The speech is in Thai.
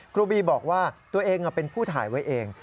ครูบีบอกว่าตัวเองเป็นผู้ถ่ายไว้เอง